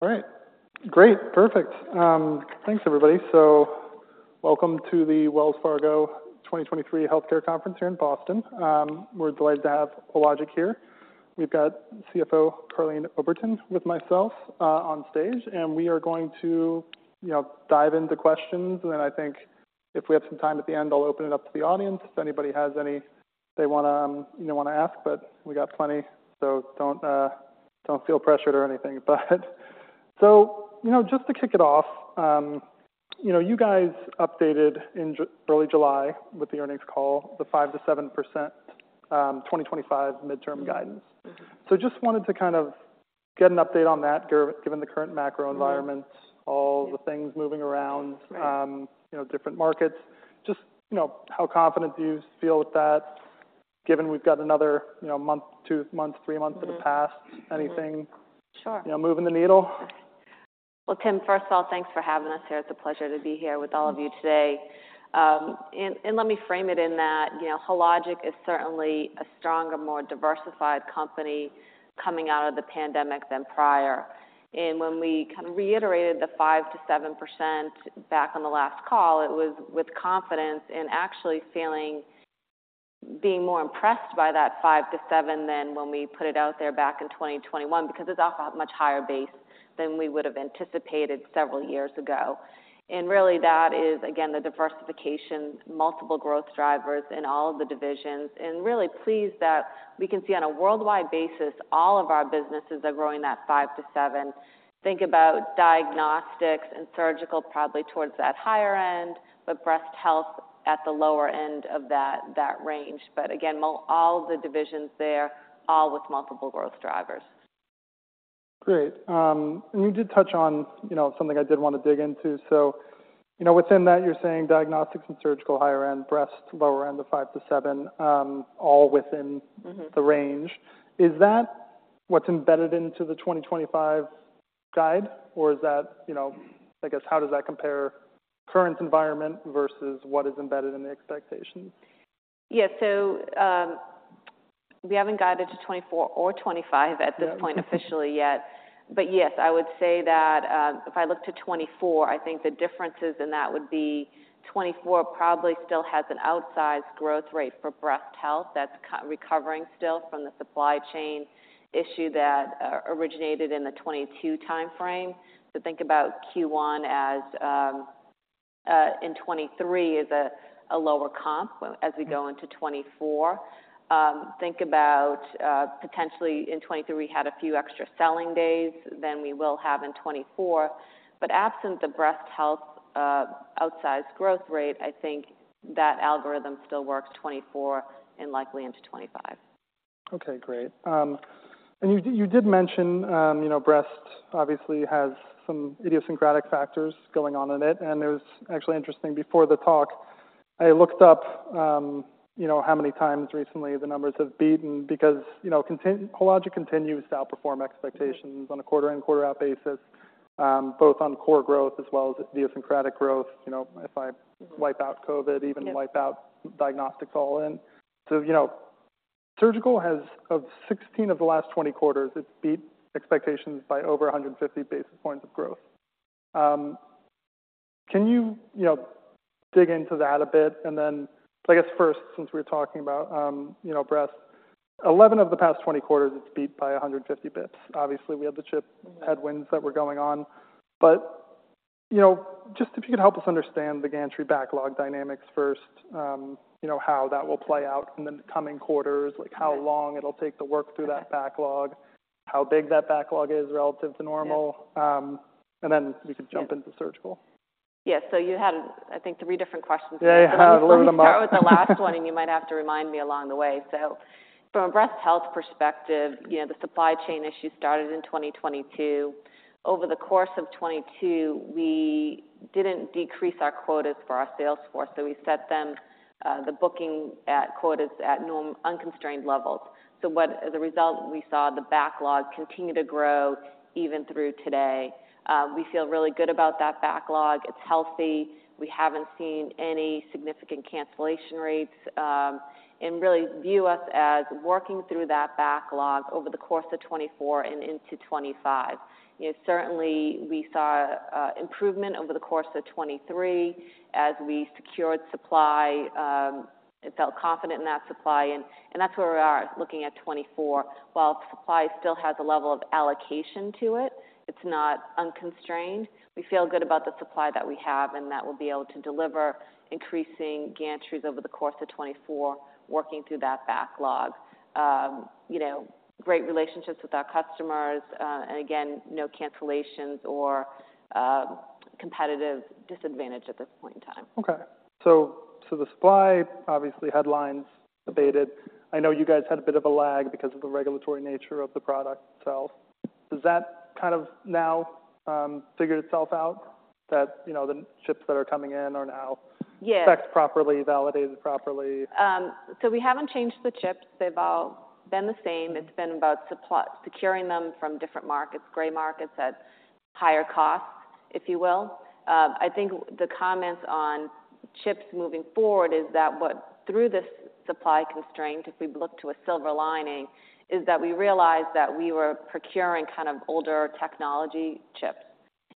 All right. Great. Perfect. Thanks, everybody. So welcome to the Wells Fargo 2023 Healthcare Conference here in Boston. We're delighted to have Hologic here. We've got CFO Karleen Oberton with myself, on stage, and we are going to, you know, dive into questions. And I think if we have some time at the end, I'll open it up to the audience, if anybody has any they wanna, you know, wanna ask, but we got plenty, so don't, don't feel pressured or anything. But so, you know, just to kick it off, you know, you guys updated in early July with the earnings call, the 5%-7%, 2025 midterm guidance. Mm-hmm. So just wanted to kind of get an update on that, given the current macro environment- Mm-hmm. all the things moving around. Right. You know, different markets. Just, you know, how confident do you feel with that, given we've got another, you know, month, two month, three month to the past, anything- Sure. You know, moving the needle? Well, Tim, first of all, thanks for having us here. It's a pleasure to be here with all of you today. And let me frame it in that, you know, Hologic is certainly a stronger, more diversified company coming out of the pandemic than prior. And when we kind of reiterated the 5%-7% back on the last call, it was with confidence and actually feeling being more impressed by that 5%-7% than when we put it out there back in 2021, because it's off a much higher base than we would have anticipated several years ago. And really, that is, again, the diversification, multiple growth drivers in all of the divisions, and really pleased that we can see on a worldwide basis, all of our businesses are growing that 5%-7%. Think about diagnostics and surgical probably towards that higher end, but breast health at the lower end of that, that range. But again, all the divisions there, all with multiple growth drivers. Great, and you did touch on, you know, something I did want to dig into. So, you know, within that, you're saying diagnostics and surgical higher-end, breast, lower end of 5%-7%, all within- Mm-hmm. -the range. Is that what's embedded into the 2025 guide, or is that, you know... I guess, how does that compare current environment versus what is embedded in the expectation? Yes. We haven't guided to 2024 or 2025 at this- Yeah. -point officially yet. But yes, I would say that, if I look to 2024, I think the differences in that would be 2024 probably still has an outsized growth rate for breast health that's recovering still from the supply chain issue that originated in the 2022 time frame. So think about Q1 as in 2023 is a lower comp as we go into 2024. Think about, potentially in 2023, we had a few extra selling days than we will have in 2024. But absent the breast health outsized growth rate, I think that algorithm still works 2024 and likely into 2025. Okay, great. And you, you did mention, you know, breast obviously has some idiosyncratic factors going on in it, and it was actually interesting. Before the talk, I looked up, you know, how many times recently the numbers have beaten because, you know, Contin-- Hologic continues to outperform expectations- Mm-hmm. on a quarter-in, quarter-out basis, both on core growth as well as idiosyncratic growth. You know, if I wipe out COVID- Yeah —even wipe out diagnostics all in. So, you know, surgical has of 16 of the last 20 quarters, it's beat expectations by over 150 basis points of growth. Can you, you know, dig into that a bit? And then, I guess first, since we're talking about, you know, breast, 11 of the past 20 quarters, it's beat by 150 bits. Obviously, we had the chip- Mm-hmm. -headwinds that were going on, but, you know, just if you could help us understand the gantry backlog dynamics first, you know, how that will play out in the coming quarters- Yeah. like how long it'll take to work through that backlog, how big that backlog is relative to normal Yeah. and then we could jump- Yes. -into surgical. Yes. So you had, I think, three different questions. Yeah, I have a little bit. Let me start with the last one, and you might have to remind me along the way. So from a breast health perspective, you know, the supply chain issue started in 2022. Over the course of 2022, we didn't decrease our quarters for our sales force, so we set them, the booking at quarters at norm, unconstrained levels. As a result, we saw the backlog continue to grow even through today. We feel really good about that backlog. It's healthy. We haven't seen any significant cancellation rates, and really view us as working through that backlog over the course of 2024 and into 2025. You know, certainly, we saw improvement over the course of 2023 as we secured supply, and felt confident in that supply, and that's where we are looking at 2024. While supply still has a level of allocation to it, it's not unconstrained. We feel good about the supply that we have and that we'll be able to deliver increasing gantries over the course of 2024, working through that backlog. You know, great relationships with our customers, and again, no cancellations or competitive disadvantage at this point in time. Okay. So, the supply, obviously, headlines abated. I know you guys had a bit of a lag because of the regulatory nature of the product itself. Does that kind of now, figure itself out, that, you know, the chips that are coming in are now- Yes. Checked properly, validated properly? So we haven't changed the chips. They've all been the same. It's been about supply, securing them from different markets, gray markets at higher costs... if you will. I think the comments on chips moving forward is that what, through this supply constraint, if we look to a silver lining, is that we realized that we were procuring kind of older technology chips.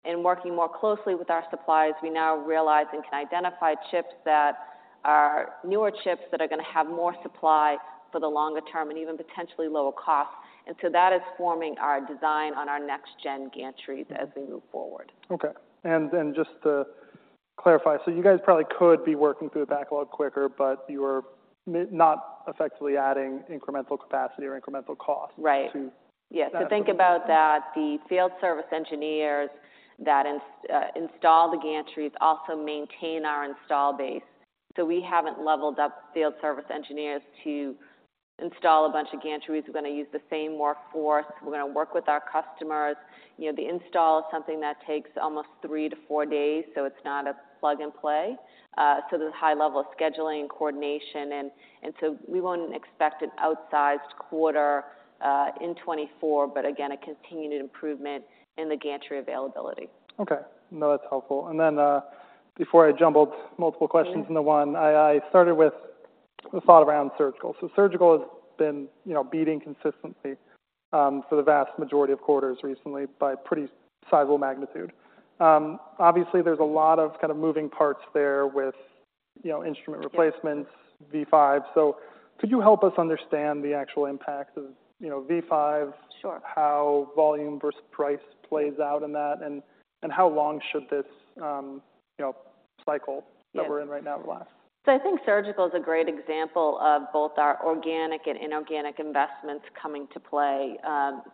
In working more closely with our suppliers, we now realize and can identify chips that are newer chips that are going to have more supply for the longer term and even potentially lower cost. And so that is forming our design on our next-gen gantry as we move forward. Okay. And then just to clarify, so you guys probably could be working through the backlog quicker, but you are not effectively adding incremental capacity or incremental cost- Right. To- Yes. To think about that, the field service engineers that install the gantry also maintain our install base. So we haven't leveled up field service engineers to install a bunch of gantry. We're going to use the same workforce. We're going to work with our customers. You know, the install is something that takes almost 3-4 days, so it's not a plug-and-play. So there's a high level of scheduling, coordination, and so we wouldn't expect an outsized quarter in 2024, but again, a continued improvement in the gantry availability. Okay. No, that's helpful. And then, before I jumbled multiple questions. Mm-hmm. Into one, I started with the thought around surgical. So surgical has been, you know, beating consistently for the vast majority of quarters recently by pretty sizable magnitude. Obviously, there's a lot of kind of moving parts there with, you know, instrument replacements. Yes, V5. So could you help us understand the actual impacts of, you know, V5? Sure. How volume versus price plays out in that, and, and how long should this, you know, cycle. Yes, that we're in right now last? So I think surgical is a great example of both our organic and inorganic investments coming to play.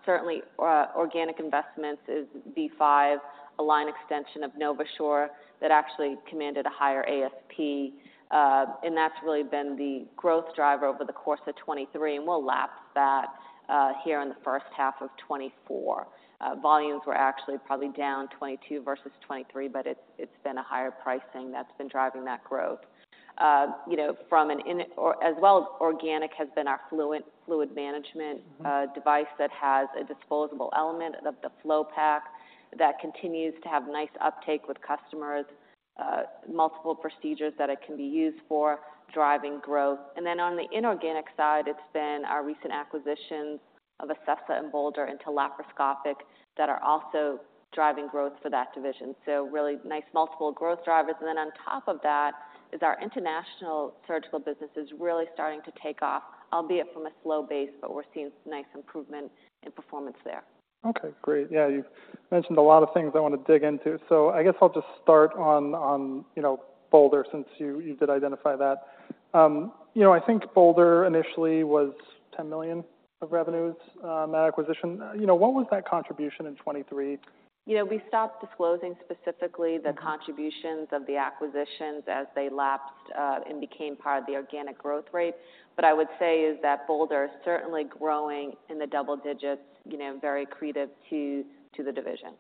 Certainly, organic investments is V5, a line extension of NovaSure that actually commanded a higher ASP, and that's really been the growth driver over the course of 2023, and we'll lap that, here in the first half of 2024. Volumes were actually probably down 2022 versus 2023, but it's, it's been a higher pricing that's been driving that growth. You know, from an in... Or as well as organic has been our Fluent fluid management device that has a disposable element of the flow pack that continues to have nice uptake with customers, multiple procedures that it can be used for driving growth. And then on the inorganic side, it's been our recent acquisitions of Acessa and Bolder into laparoscopic, that are also driving growth for that division. So really nice multiple growth drivers. And then on top of that is our international surgical business is really starting to take off, albeit from a slow base, but we're seeing nice improvement in performance there. Okay, great. Yeah, you've mentioned a lot of things I want to dig into. So I guess I'll just start on you know, Bolder, since you did identify that. You know, I think Bolder initially was $10 million of revenues, that acquisition. You know, what was that contribution in 2023? You know, we stopped disclosing specifically - Mm-hmm. - the contributions of the acquisitions as they lapsed, and became part of the organic growth rate. What I would say is that Bolder is certainly growing in the double digits, you know, very accretive to the division.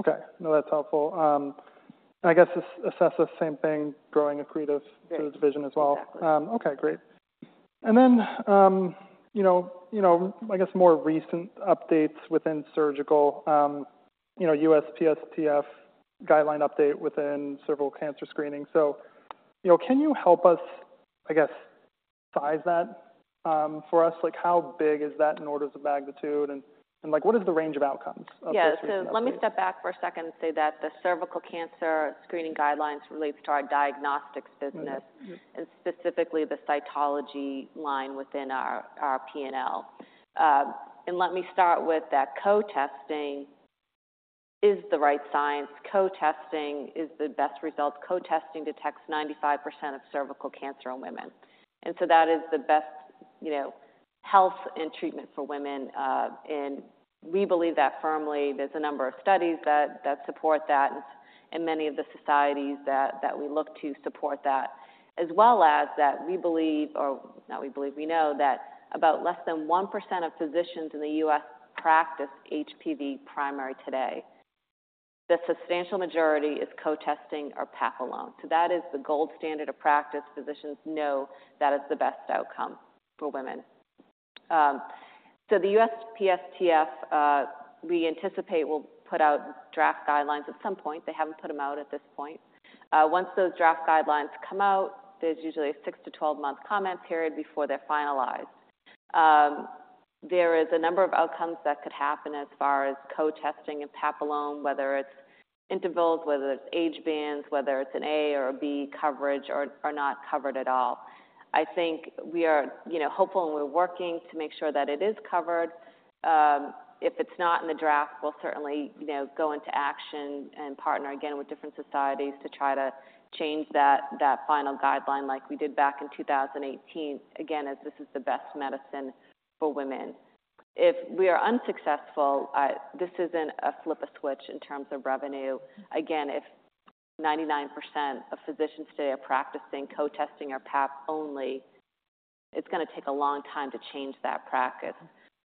Okay. No, that's helpful. I guess, Acessa, same thing, growing accretive - Right - to the division as well. Exactly. Okay, great. And then, you know, I guess more recent updates within surgical, you know, USPSTF guideline update within cervical cancer screening. So, you know, can you help us, I guess, size that for us? Like, how big is that in orders of magnitude, and like, what is the range of outcomes of - Yeah. So let me step back for a second and say that the cervical cancer screening guidelines relates to our diagnostics business. Mm-hmm. And specifically the cytology line within our, our PNL. And let me start with that co-testing is the right science. Co-testing is the best results. Co-testing detects 95% of cervical cancer in women, and so that is the best, you know, health and treatment for women. And we believe that firmly. There's a number of studies that, that support that, and many of the societies that, that we look to support that, as well as that we believe, or not we believe, we know that about less than 1% of physicians in the U.S. practice HPV primary today. The substantial majority is co-testing or Pap alone. So that is the gold standard of practice. Physicians know that is the best outcome for women. So the USPSTF, we anticipate, will put out draft guidelines at some point. They haven't put them out at this point. Once those draft guidelines come out, there's usually a 6- to 12-month comment period before they're finalized. There is a number of outcomes that could happen as far as co-testing and Pap alone, whether it's intervals, whether it's age bands, whether it's an A or a B coverage or not covered at all. I think we are, you know, hopeful, and we're working to make sure that it is covered. If it's not in the draft, we'll certainly, you know, go into action and partner again with different societies to try to change that final guideline like we did back in 2018. Again, as this is the best medicine for women. If we are unsuccessful, this isn't a flip-a-switch in terms of revenue. Again, if 99% of physicians today are practicing, co-testing our Pap only, it's going to take a long time to change that practice.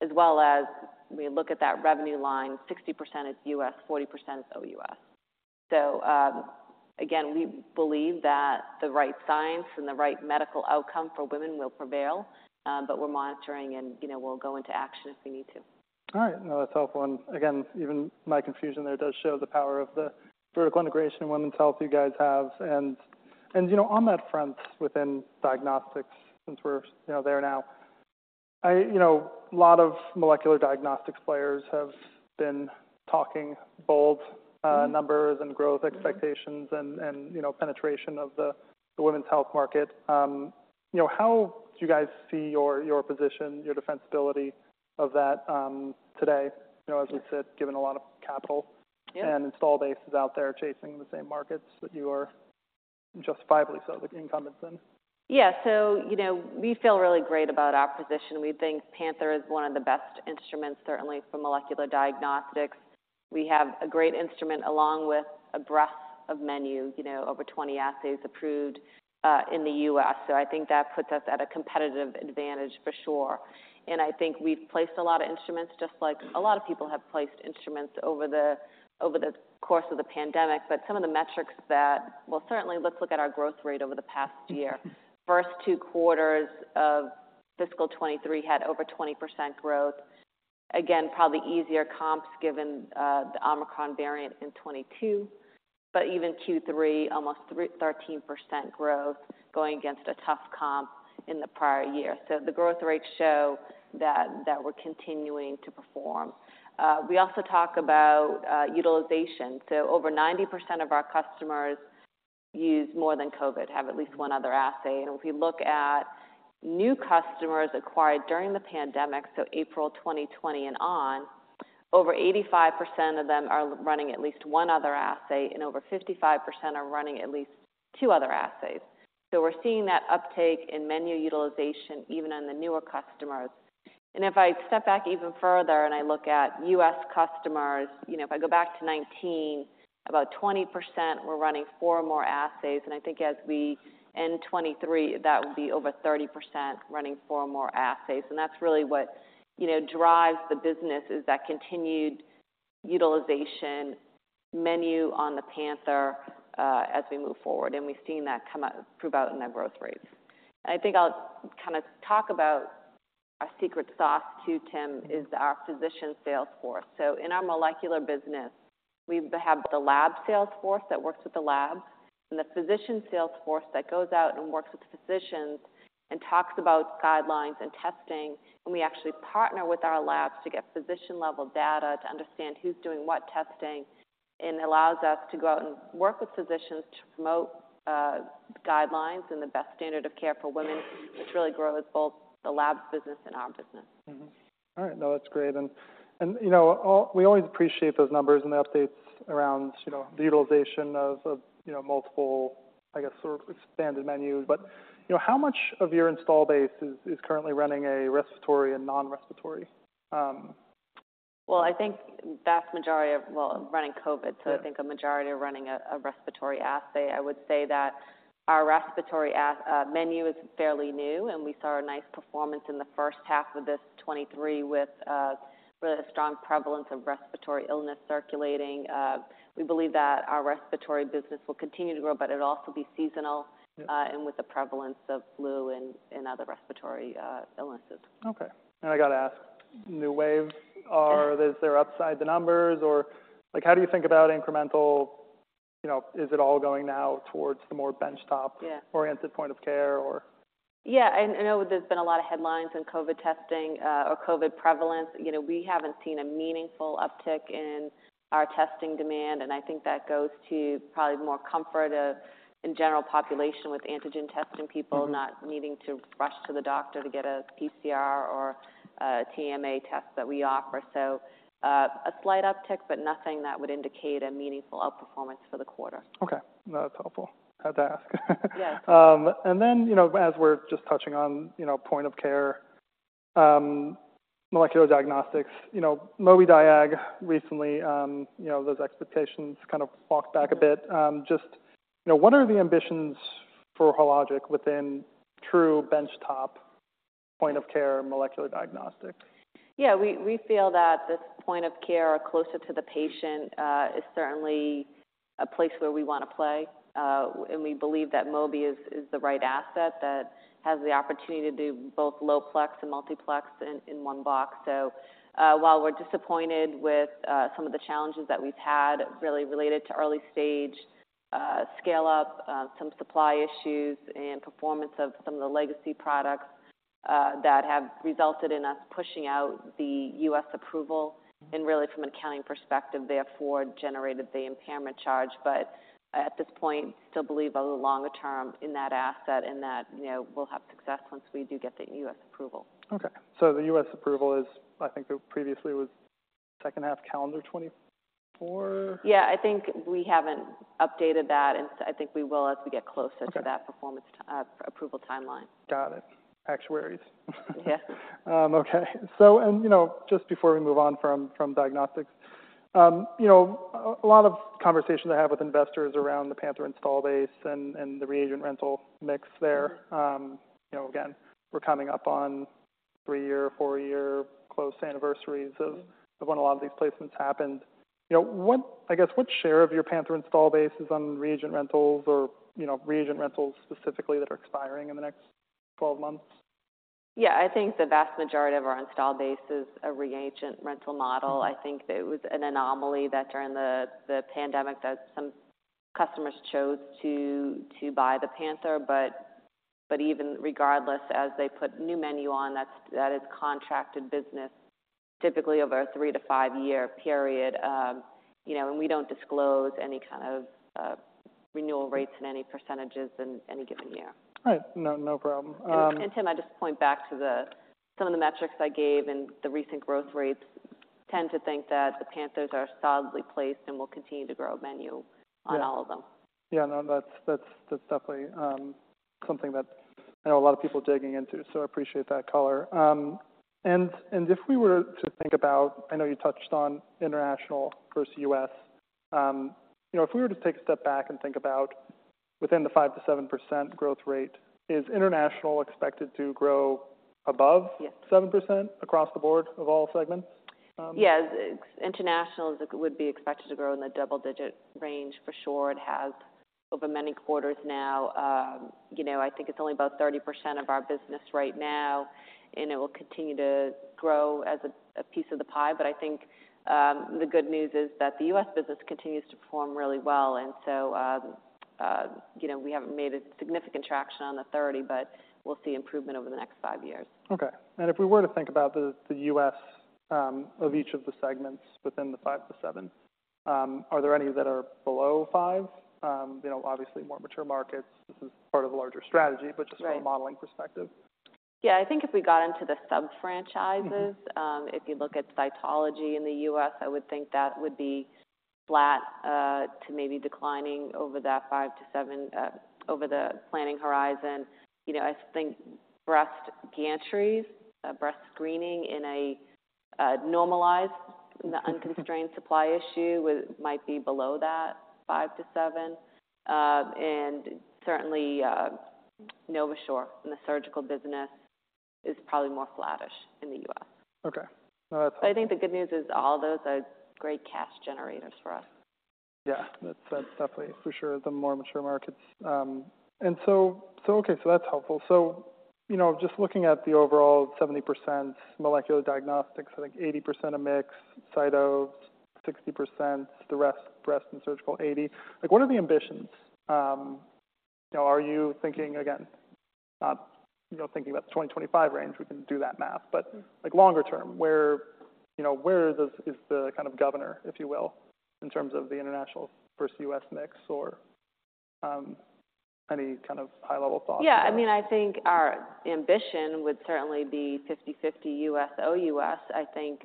As well as we look at that revenue line, 60% is US, 40% is OUS. So, again, we believe that the right science and the right medical outcome for women will prevail, but we're monitoring and, you know, we'll go into action if we need to. All right. No, that's helpful. And again, even my confusion there does show the power of the vertical integration in women's health you guys have. And, and, you know, on that front, within diagnostics, since we're, you know, there now, I, you know, a lot of molecular diagnostics players have been talking bold, numbers and growth- Mm-hmm -expectations and, you know, penetration of the women's health market. You know, how do you guys see your position, your defensibility of that, today? You know, as we said, given a lot of capital- Yeah... and installed bases out there chasing the same markets that you are, justifiably so, the incumbents then. Yeah. So, you know, we feel really great about our position. We think Panther is one of the best instruments, certainly for molecular diagnostics. We have a great instrument, along with a breadth of menu, you know, over 20 assays approved in the US. So I think that puts us at a competitive advantage for sure. And I think we've placed a lot of instruments, just like a lot of people have placed instruments over the course of the pandemic. But some of the metrics that... Well, certainly, let's look at our growth rate over the past year. Mm-hmm. First two quarters of fiscal 2023 had over 20% growth. Again, probably easier comps given the Omicron variant in 2022, but even Q3, almost thirteen percent growth going against a tough comp in the prior year. So the growth rates show that, that we're continuing to perform. We also talk about utilization. So over 90% of our customers use more than COVID, have at least one other assay. And if we look at new customers acquired during the pandemic, so April 2020 and on, over 85% of them are running at least one other assay, and over 55% are running at least two other assays. So we're seeing that uptake in menu utilization even on the newer customers. If I step back even further and I look at U.S. customers, you know, if I go back to 2019, about 20% were running four or more assays. And I think as we end 2023, that will be over 30% running 4 or more assays. And that's really what, you know, drives the business, is that continued utilization menu on the Panther as we move forward. And we've seen that come out, prove out in our growth rates. I think I'll kind of talk about our secret sauce to Tim, is our physician sales force. So in our molecular business, we have the lab sales force that works with the lab, and the physician sales force that goes out and works with physicians and talks about guidelines and testing. And we actually partner with our labs to get physician-level data, to understand who's doing what testing. And allows us to go out and work with physicians to promote guidelines and the best standard of care for women, which really grows both the lab business and our business. Mm-hmm. All right. No, that's great. And, you know, we always appreciate those numbers and the updates around, you know, the utilization of, you know, multiple, I guess, sort of expanded menus. But, you know, how much of your install base is currently running a respiratory and non-respiratory? Well, I think vast majority of... Well, running COVID. Yeah. So I think a majority are running a respiratory assay. I would say that our respiratory assay menu is fairly new, and we saw a nice performance in the first half of this 2023 with really strong prevalence of respiratory illness circulating. We believe that our respiratory business will continue to grow, but it'll also be seasonal- Yeah and with the prevalence of flu and, and other respiratory illnesses. Okay. I got to ask, New Wave, are- Yeah Is there upside the numbers, or like, how do you think about incremental? You know, is it all going now towards the more benchtop- Yeah oriented point of care, or? Yeah, I know there's been a lot of headlines in COVID testing, or COVID prevalence. You know, we haven't seen a meaningful uptick in our testing demand, and I think that goes to probably more comfort of, in general population, with antigen testing. Mm-hmm. People not needing to rush to the doctor to get a PCR or a TMA test that we offer. So, a slight uptick, but nothing that would indicate a meaningful outperformance for the quarter. Okay. No, that's helpful. Had to ask. Yes. And then, you know, as we're just touching on, you know, point of care molecular diagnostics, you know, Mobidiag recently, you know, those expectations kind of walked back a bit. Mm-hmm. Just, you know, what are the ambitions for Hologic within true benchtop point of care molecular diagnostics? Yeah, we feel that this point of care, closer to the patient, is certainly a place where we want to play. And we believe that Mobidiag is the right asset that has the opportunity to do both low plex and multiplex in one box. So, while we're disappointed with some of the challenges that we've had, really related to early stage scale-up, some supply issues and performance of some of the legacy products, that have resulted in us pushing out the U.S. approval. Mm-hmm. Really, from an accounting perspective, therefore generated the impairment charge. But at this point, still believe over the longer term in that asset and that, you know, we'll have success once we do get the U.S. approval. Okay, so the U.S. approval is, I think there previously was second half calendar 2024? Yeah, I think we haven't updated that, and I think we will as we get closer- Okay -to that performance, approval timeline. Got it. Actuaries. Yes. Okay. So, you know, just before we move on from diagnostics, you know, a lot of conversations I have with investors around the Panther install base and the reagent rental mix there. Mm-hmm. You know, again, we're coming up on 3-year, 4-year close anniversaries of when a lot of these placements happened. You know, what, I guess, what share of your Panther install base is on reagent rentals or, you know, reagent rentals specifically that are expiring in the next 12 months? Yeah, I think the vast majority of our installed base is a reagent rental model. I think it was an anomaly that during the pandemic, some customers chose to buy the Panther. But even regardless, as they put new menu on, that's contracted business typically over a 3-5-year period. You know, and we don't disclose any kind of renewal rates and any percentages in any given year. All right. No, no problem. Tim, I just point back to some of the metrics I gave and the recent growth rates tend to think that the Panthers are solidly placed and will continue to grow menu- Yeah. on all of them. Yeah, no, that's definitely something that I know a lot of people digging into, so I appreciate that color. And if we were to think about... I know you touched on international versus U.S. You know, if we were to take a step back and think about within the 5%-7% growth rate, is international expected to grow above- Yes. 7% across the board of all segments? Yes. International would be expected to grow in the double-digit range for sure. It has over many quarters now. You know, I think it's only about 30% of our business right now, and it will continue to grow as a piece of the pie. But I think, the good news is that the U.S. business continues to perform really well, and so, you know, we haven't made a significant traction on the 30, but we'll see improvement over the next five years. Okay. And if we were to think about the U.S. of each of the segments within the 5-7, are there any that are below 5? You know, obviously more mature markets, this is part of a larger strategy- Right. But just from a modeling perspective. Yeah. I think if we got into the sub-franchises- Mm-hmm. If you look at cytology in the U.S., I would think that would be flat to maybe declining over that 5-7 over the planning horizon. You know, I think breast gantries, breast screening in a normalized- Mm-hmm. Unconstrained supply issue might be below that 5-7. And certainly, NovaSure, in the surgical business is probably more flattish in the U.S. Okay. No, that's- I think the good news is all those are great cash generators for us. Yeah, that's definitely for sure, the more mature markets. And so okay, so that's helpful. So, you know, just looking at the overall 70% molecular diagnostics, I think 80% of mix, cyto, 60%, the rest, breast and surgical, 80%. Like, what are the ambitions? You know, are you thinking, again, not, you know, thinking about the 2025 range, we can do that math, but like longer term, where, you know, where is the, is the kind of governor, if you will, in terms of the international versus US mix or, any kind of high-level thoughts? Yeah, I mean, I think our ambition would certainly be 50/50 US, OUS. I think,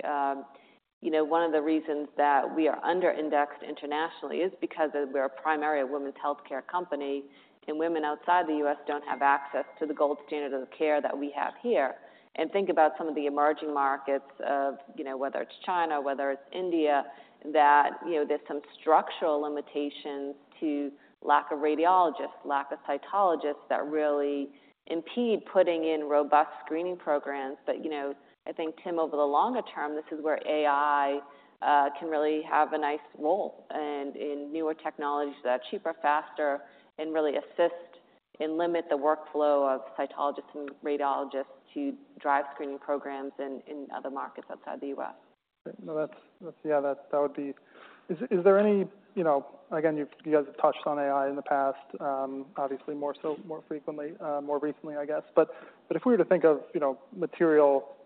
you know, one of the reasons that we are under indexed internationally is because we're primarily a women's healthcare company, and women outside the US don't have access to the gold standard of care that we have here. And think about some of the emerging markets of, you know, whether it's China, whether it's India, that, you know, there's some structural limitations to lack of radiologists, lack of cytologists, that really impede putting in robust screening programs. But, you know, I think, Tim, over the longer term, this is where AI can really have a nice role and in newer technologies that are cheaper, faster, and really assist and limit the workflow of cytologists and radiologists to drive screening programs in other markets outside the US. No, that's, yeah, that would be... Is there any, you know, again, you guys have touched on AI in the past, obviously more so, more frequently, more recently, I guess. But if we were to think of, you know, material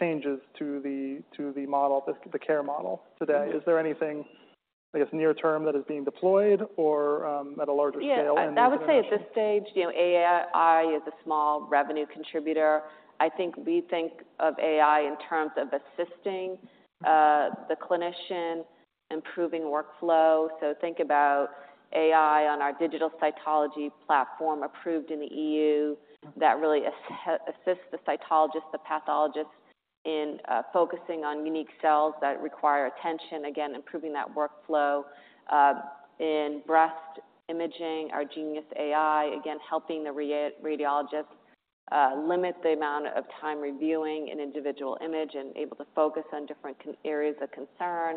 changes to the model, the care model today- Mm-hmm. Is there anything, I guess, near term, that is being deployed or at a larger scale? Yeah, I would say at this stage, you know, AI is a small revenue contributor. I think we think of AI in terms of assisting, the clinician, improving workflow. So think about AI on our digital cytology platform approved in the EU. Mm-hmm. That really assists the cytologist, the pathologist, in focusing on unique cells that require attention, again, improving that workflow. In breast imaging, our Genius AI, again, helping the radiologist limit the amount of time reviewing an individual image and able to focus on different areas of concern.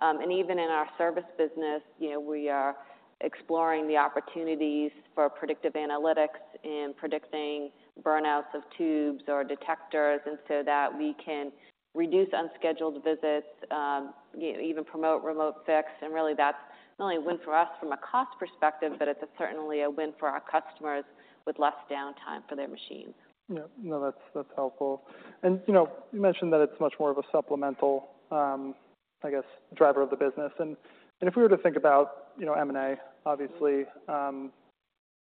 And even in our service business, you know, we are exploring the opportunities for predictive analytics in predicting burnouts of tubes or detectors, and so that we can reduce unscheduled visits, you know, even promote remote fix. And really, that's not only a win for us from a cost perspective, but it's certainly a win for our customers with less downtime for their machines. Yeah. No, that's, that's helpful. And, you know, you mentioned that it's much more of a supplemental, I guess, driver of the business. And, and if we were to think about, you know, M&A, obviously,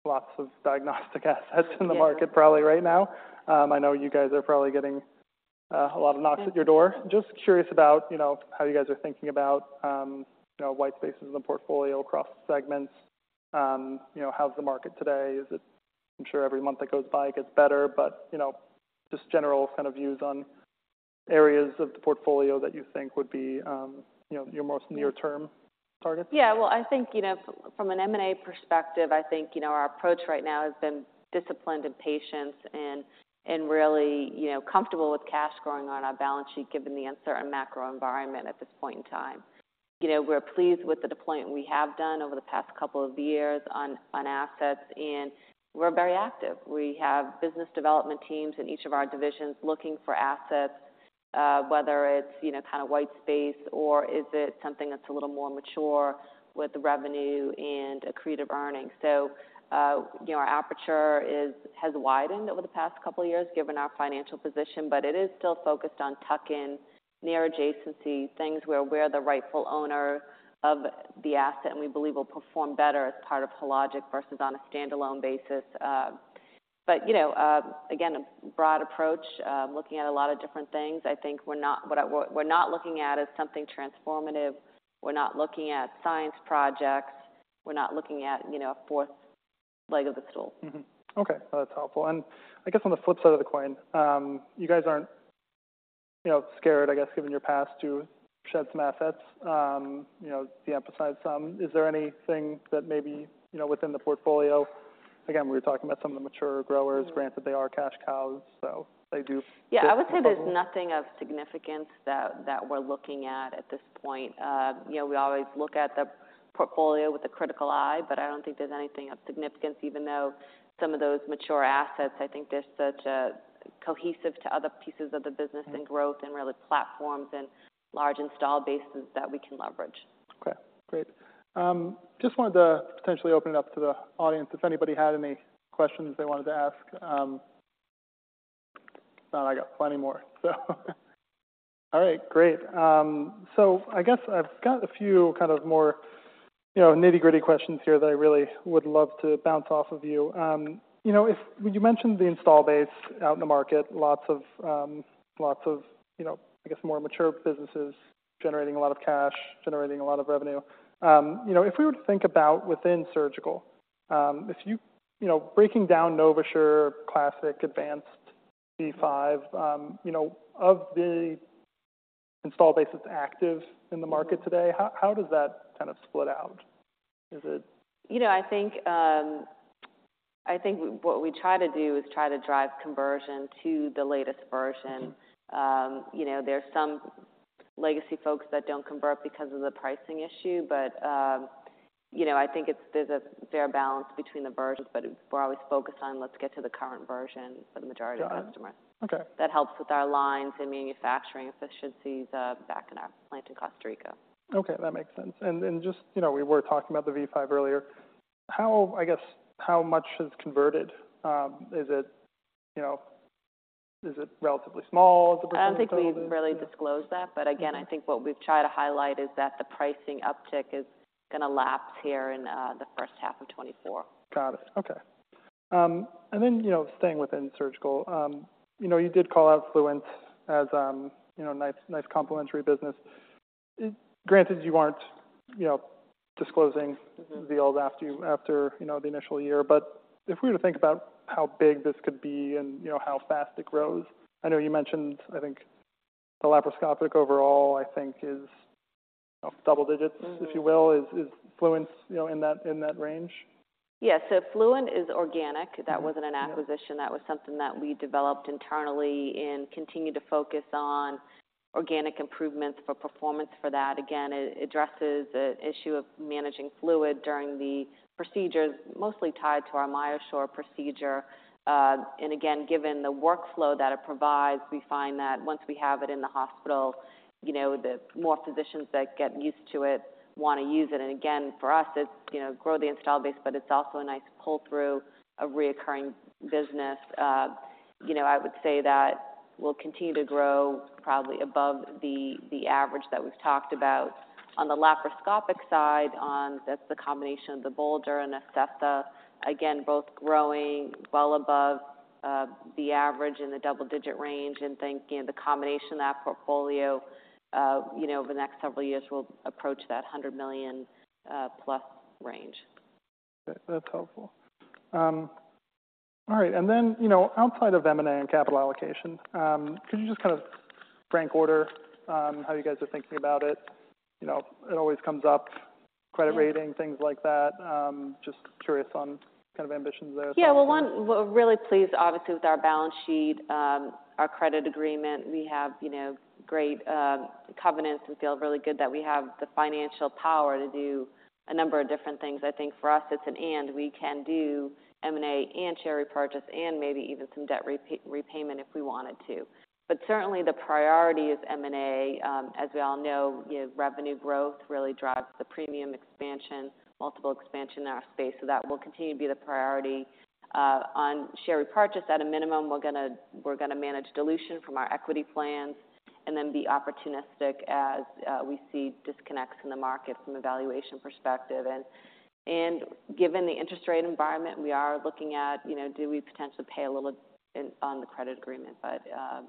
lots of diagnostic assets in the market. Yes Probably right now. I know you guys are probably getting a lot of knocks at your door. Just curious about, you know, how you guys are thinking about, you know, white spaces in the portfolio across the segments. You know, how's the market today? Is it—I'm sure every month that goes by gets better, but, you know, just general kind of views on areas of the portfolio that you think would be, you know, your most near-term target? Yeah, well, I think, you know, from an M&A perspective, I think, you know, our approach right now has been disciplined and patient and, and really, you know, comfortable with cash growing on our balance sheet, given the uncertain macro environment at this point in time. You know, we're pleased with the deployment we have done over the past couple of years on, on assets, and we're very active. We have business development teams in each of our divisions looking for assets, whether it's, you know, kind of white space or is it something that's a little more mature with the revenue and accretive earnings. So, you know, our aperture is, has widened over the past couple of years given our financial position, but it is still focused on tuck-in, near adjacency, things where we're the rightful owner of the asset, and we believe will perform better as part of Hologic versus on a standalone basis. But you know, again, a broad approach, looking at a lot of different things. I think what we're not looking at is something transformative. We're not looking at science projects. We're not looking at, you know, a fourth leg of the stool. Mm-hmm. Okay, that's helpful. And I guess on the flip side of the coin, you guys aren't, you know, scared, I guess, given your past to shed some assets, you know, de-emphasize some. Is there anything that maybe, you know, within the portfolio, again, we were talking about some of the mature growers, granted, that they are cash cows, so they do- Yeah, I would say there's nothing of significance that we're looking at at this point. You know, we always look at the portfolio with a critical eye, but I don't think there's anything of significance, even though some of those mature assets, I think, they're such a cohesive to other pieces of the business and growth and really platforms and large installed bases that we can leverage. Okay, great. Just wanted to potentially open it up to the audience if anybody had any questions they wanted to ask. Oh, I got plenty more. So all right, great. So I guess I've got a few kind of more, you know, nitty-gritty questions here that I really would love to bounce off of you. You know, you mentioned the install base out in the market, lots of, lots of, you know, I guess, more mature businesses generating a lot of cash, generating a lot of revenue. You know, if we were to think about within surgical, if you... You know, breaking down NovaSure Classic, Advanced, V5, you know, of the install base that's active in the market today, how, how does that kind of split out? Is it- You know, I think, I think what we try to do is try to drive conversion to the latest version. Mm-hmm. You know, there's some legacy folks that don't convert because of the pricing issue, but, you know, I think there's a fair balance between the versions, but we're always focused on let's get to the current version for the majority of customers. Got it. Okay. That helps with our lines and manufacturing efficiencies, back in our plant in Costa Rica. Okay, that makes sense. And then just, you know, we were talking about the V5 earlier. How, I guess, how much is converted? Is it, you know, is it relatively small as a percentage? I don't think we've really disclosed that. But again, I think what we've tried to highlight is that the pricing uptick is going to lapse here in the first half of 2024. Got it. Okay. And then, you know, staying within surgical, you know, you did call out Fluent as, you know, nice, nice complementary business. Granted, you aren't, you know, disclosing- Mm-hmm -deals after you, after, you know, the initial year. But if we were to think about how big this could be and, you know, how fast it grows, I know you mentioned, I think, the laparoscopic overall, I think is double digits- Mm-hmm If you will. Is Fluent, you know, in that, in that range? Yes. So Fluent is organic. Mm-hmm. That wasn't an acquisition. That was something that we developed internally and continue to focus on organic improvements for performance for that. Again, it addresses the issue of managing fluid during the procedures, mostly tied to our MyoSure procedure. And again, given the workflow that it provides, we find that once we have it in the hospital, you know, the more physicians that get used to it, want to use it. And again, for us, it's, you know, grow the install base, but it's also a nice pull through a recurring business. You know, I would say that we'll continue to grow probably above the average that we've talked about. On the laparoscopic side, that's the combination of the Bolder and Acessa. Again, both growing well above the average in the double-digit range. Think, you know, the combination of that portfolio, you know, over the next several years will approach that $100 million plus range. That's helpful. All right. And then, you know, outside of M&A and capital allocation, could you just kind of rank order, how you guys are thinking about it? You know, it always comes up, credit rating- Yeah -things like that. Just curious on kind of ambitions there? Yeah. Well, one, we're really pleased, obviously, with our balance sheet, our credit agreement. We have, you know, great covenants and feel really good that we have the financial power to do a number of different things. I think for us, it's an and. We can do M&A and share repurchase, and maybe even some debt repayment if we wanted to. But certainly, the priority is M&A. As we all know, you know, revenue growth really drives the premium expansion, multiple expansion in our space, so that will continue to be the priority. On share repurchase, at a minimum, we're gonna, we're gonna manage dilution from our equity plans and then be opportunistic as we see disconnects in the market from a valuation perspective. Given the interest rate environment, we are looking at, you know, do we potentially pay a little on the credit agreement, but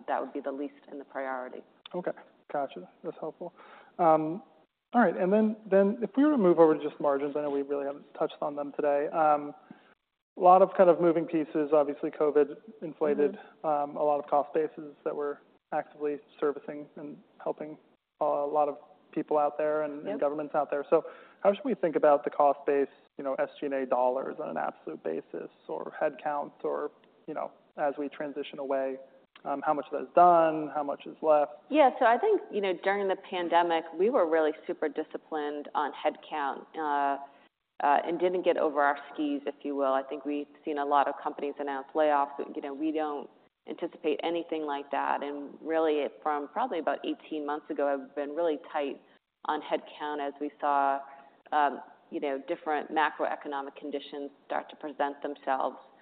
that would be the least in the priority. Okay, gotcha. That's helpful. All right, and then, then if we were to move over to just margins, I know we really haven't touched on them today. A lot of kind of moving pieces. Obviously, COVID inflated- Mm-hmm. a lot of cost bases that we're actively servicing and helping a lot of people out there. Yep. And governments out there. So how should we think about the cost base, you know, SG&A dollars on an absolute basis, or headcounts or, you know, as we transition away, how much of that is done? How much is left? Yeah. So I think, you know, during the pandemic, we were really super disciplined on headcount, and didn't get over our skis, if you will. I think we've seen a lot of companies announce layoffs. You know, we don't anticipate anything like that, and really, from probably about 18 months ago, have been really tight on headcount as we saw, you know, different macroeconomic conditions start to present themselves. You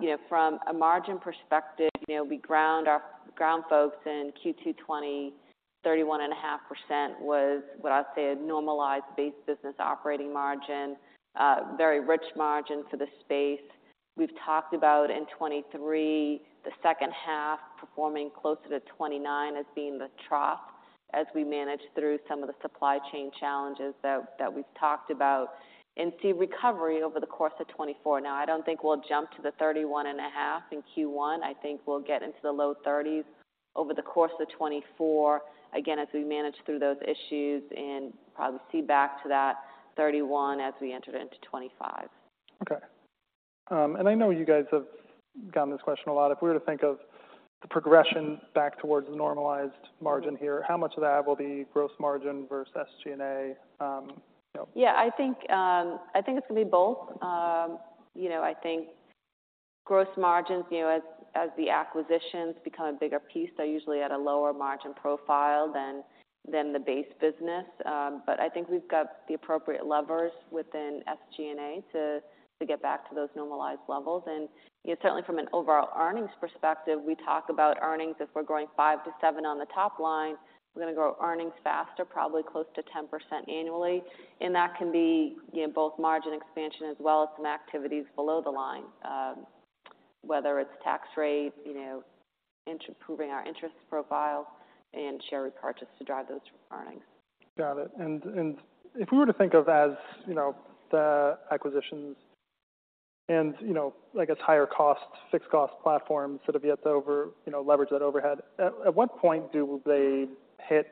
know, from a margin perspective, you know, we grossed our gross margin in Q2 2020, 31.5% was what I'd say a normalized base business operating margin. Very rich margin for the space. We've talked about in 2023, the second half performing closer to 29% as being the trough as we manage through some of the supply chain challenges that we've talked about and see recovery over the course of 2024. Now, I don't think we'll jump to the 31.5 in Q1. I think we'll get into the low 30s over the course of 2024, again, as we manage through those issues and probably see back to that 31 as we enter into 2025. Okay. I know you guys have gotten this question a lot. If we were to think of the progression back towards normalized margin here- Mm-hmm. How much of that will be gross margin versus SG&A, you know? Yeah, I think, I think it's going to be both. You know, I think gross margins, you know, as the acquisitions become a bigger piece, they're usually at a lower margin profile than the base business. But I think we've got the appropriate levers within SG&A to get back to those normalized levels. And, you know, certainly from an overall earnings perspective, we talk about earnings. If we're growing five to seven on the top line, we're going to grow earnings faster, probably close to 10% annually, and that can be, you know, both margin expansion as well as some activities below the line. Whether it's tax rate, you know, improving our interest profile and share repurchase to drive those earnings. Got it. And if we were to think of as, you know, the acquisitions and, you know, I guess, higher cost, fixed cost platforms that have yet to over... You know, leverage that overhead, at what point do they hit,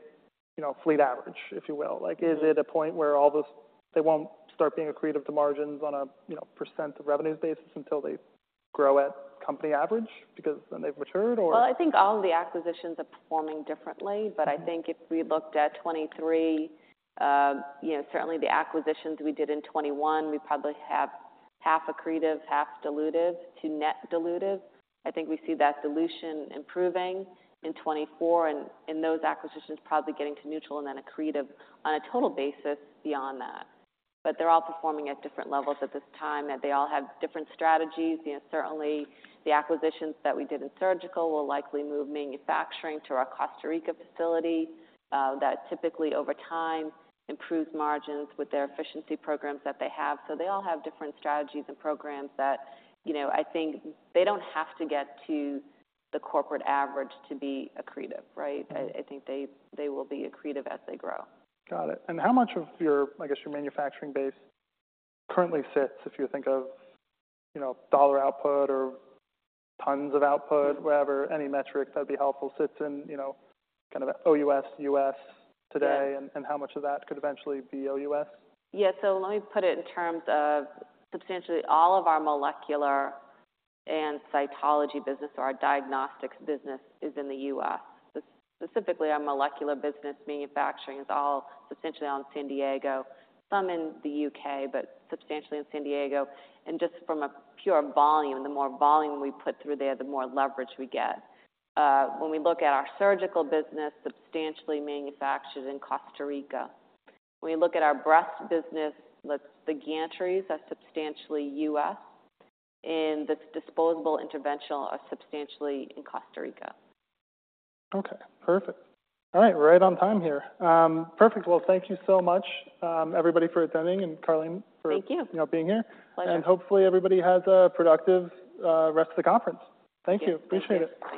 you know, fleet average, if you will? Yeah. Like, is it a point where all those, they won't start being accretive to margins on a, you know, percent revenue basis until they grow at company average because then they've matured, or? Well, I think all of the acquisitions are performing differently. Mm-hmm. But I think if we looked at 2023, you know, certainly the acquisitions we did in 2021, we probably have half accretive, half dilutive to net dilutive. I think we see that dilution improving in 2024 and, and those acquisitions probably getting to neutral and then accretive on a total basis beyond that. But they're all performing at different levels at this time, and they all have different strategies. You know, certainly, the acquisitions that we did in surgical will likely move manufacturing to our Costa Rica facility. That typically, over time, improves margins with their efficiency programs that they have. So they all have different strategies and programs that, you know, I think they don't have to get to the corporate average to be accretive, right? Mm-hmm. I think they will be accretive as they grow. Got it. And how much of your, I guess, your manufacturing base currently sits, if you think of, you know, dollar output or tons of output, whatever, any metrics that'd be helpful, sits in, you know, kind of OUS, US today- Yes. And how much of that could eventually be OUS? Yeah. So let me put it in terms of substantially all of our molecular and cytology business or our diagnostics business is in the U.S. Specifically, our molecular business manufacturing is all essentially all in San Diego, some in the U.K., but substantially in San Diego. And just from a pure volume, the more volume we put through there, the more leverage we get. When we look at our surgical business, substantially manufactured in Costa Rica. When we look at our breast business, the gantries are substantially U.S., and the disposable interventional are substantially in Costa Rica. Okay, perfect. All right, we're right on time here. Perfect. Well, thank you so much, everybody, for attending, and Karleen, for- Thank you... you know, being here. My pleasure. Hopefully, everybody has a productive rest of the conference. Thank you. Yes. Appreciate it. Thanks.